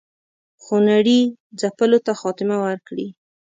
خونړي ځپلو ته خاتمه ورکړي.